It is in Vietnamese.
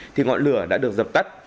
thì ngọn lửa đã được dập tắt